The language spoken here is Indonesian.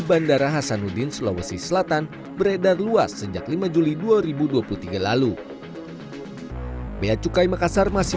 bandara hasanuddin sulawesi selatan beredar luas sejak lima juli dua ribu dua puluh tiga lalu beacukai makassar masih